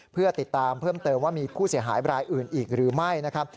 เพื่อติดตามเพิ่มเติมว่ามีผู้เสียหายรายอื่นอีกหรือไม่นะครับ